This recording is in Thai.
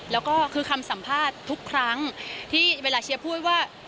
แล้วก็คือคำสัมภาษณ์ทุกครั้งที่เวลาเชียร์พูดว่า